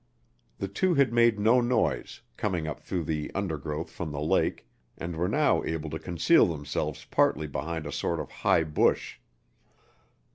The two had made no noise, coming up through the undergrowth from the lake, and were now able to conceal themselves partly behind a sort of high bush.